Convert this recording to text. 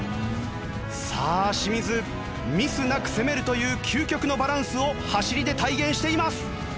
さあ清水ミスなく攻めるという究極のバランスを走りで体現しています。